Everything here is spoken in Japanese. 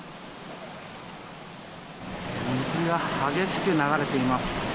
水が激しく流れています。